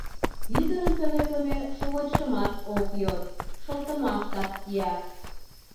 Ӱдырын пӧлеклыме шовычшымат ок йод, шылтымаштак кия.